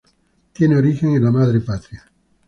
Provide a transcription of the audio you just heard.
Tiene origen en la Madre patria.